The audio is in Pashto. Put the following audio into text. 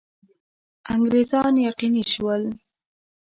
انګرېزان یقیني شول.